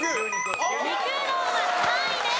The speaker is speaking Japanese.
肉うどんは３位です。